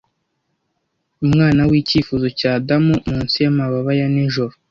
umwana w'icyifuzo cya adamu munsi yamababa ya nijoro